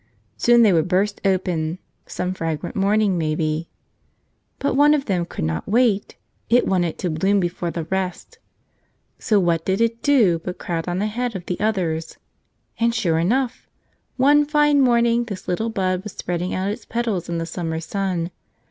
Soon they would burst open — some fragrant morning, maybe. But one of them could not wait; it wanted to bloom before the rest. So what did it do but crowd on ahead of the others. And sure enough! one fine morning this little bud was spreading out its petals in the summer sun.